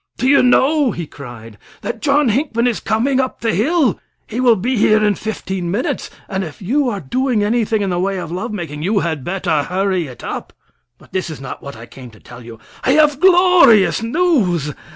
"Do you know," he cried, "that John Hinckman is coming up the hill? He will be here in fifteen minutes; and if you are doing anything in the way of love making, you had better hurry it up. But this is not what I came to tell you. I have glorious news!